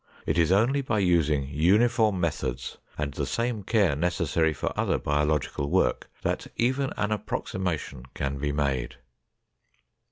It is only by using uniform methods and the same care necessary for other biological work that even an approximation can be made.